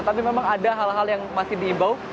tapi memang ada hal hal yang masih diimbau